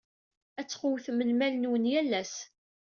Ad tqewwtem lmal-nwen yal ass.